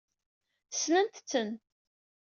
Sensent-ten.